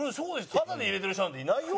タダで入れてる人なんていないよ。